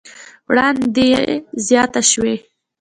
وړاندې زياته شوې